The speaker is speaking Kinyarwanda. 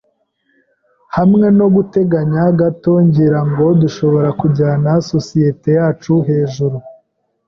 Hamwe noguteganya gato, ngira ngo dushobora kujyana isosiyete yacu hejuru.